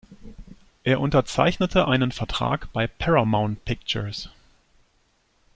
Er unterzeichnete einen Vertrag bei Paramount Pictures.